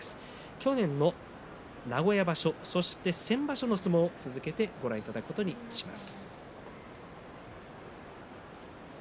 去年の名古屋場所そして先場所の相撲を続けてご覧いただきます。